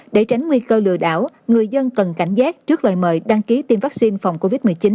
để tránh nguy cơ lừa đảo người dân cần cảnh giác trước lời mời đăng ký tiêm vaccine phòng covid một mươi chín